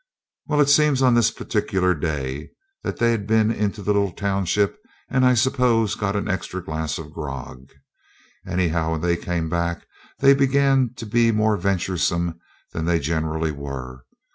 Well, it seems on this particular day they'd been into the little township, and I suppose got an extra glass of grog. Anyhow, when they came back they began to be more venturesome than they generally were.